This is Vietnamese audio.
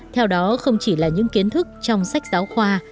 theo đó không chỉ là những kiến thức trong sách giáo khoa